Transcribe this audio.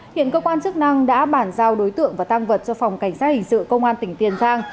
hiện cơ quan chức năng đã bản giao đối tượng và tăng vật cho phòng cảnh sát hình sự công an tỉnh tiền giang